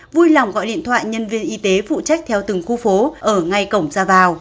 vui lòng gọi điện thoại nhân viên y tế phụ trách theo từng khu phố ở ngay cổng ra vào